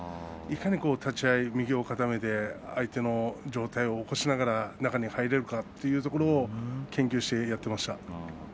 いかに立ち合い右を固めて相手の上体を起こしながら中に入れるかというところを研究してやっていました。